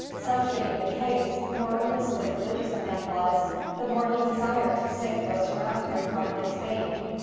Such being the case, the more earnestly religious a man was, the more he desired to save those around him from this fate.